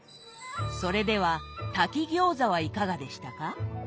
それでは炊き餃子はいかがでしたか？